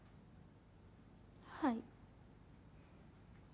はい。